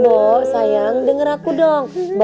mbok sayang denger aku dong